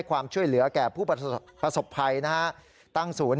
มีความรู้สึกว่าเกิดอะไรขึ้น